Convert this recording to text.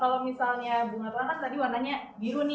kalau misalnya bunga telang tadi warnanya biru